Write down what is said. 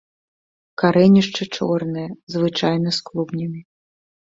Карэнішчы чорныя, звычайна з клубнямі.